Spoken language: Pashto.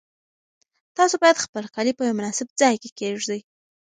تاسو باید خپل کالي په یو مناسب ځای کې کېږدئ.